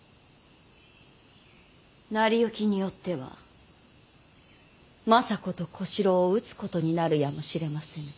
成り行きによっては政子と小四郎を討つことになるやもしれませぬ。